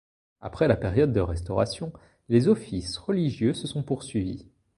Après la période de restauration, les offices religieux se sont poursuivis.